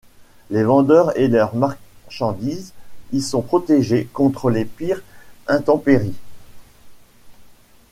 Les vendeurs et leurs marchandises y sont protégés contre les pires intempéries.